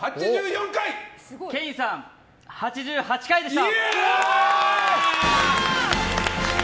ケインさん、８８回でした！